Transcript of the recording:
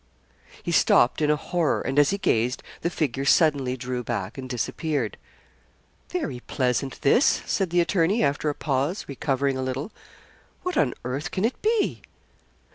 He stopped in a horror, and as he gazed, the figure suddenly drew back and disappeared. 'Very pleasant this!' said the attorney, after a pause, recovering a little. 'What on earth can it be?'